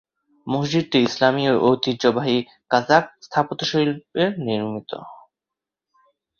মসজিদটি ইসলামি ও ঐতিহ্যবাহী কাজাখ স্থাপত্যশৈলীতে নির্মিত।